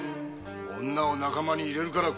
女を仲間に入れるからだ。